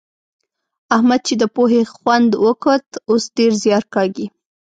احمد چې د پوهې خوند وکوت؛ اوس ډېر زيار کاږي.